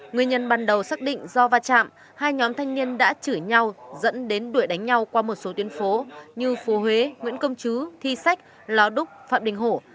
nguyên nhân ban đầu xác định do va chạm hai nhóm thanh niên đã chửi nhau dẫn đến đuổi đánh nhau qua một số tuyến phố như phố huế nguyễn công chứ thi sách lào đúc phạm đình hổ